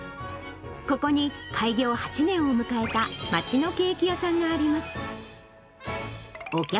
ここに、開業８年を迎えた街のケーキ屋さんがあります。